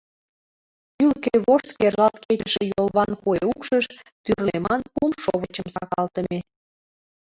Ӱлыкӧ вошт кержалт кечыше йолван куэ укшыш тӱрлеман кум шовычым сакалтыме.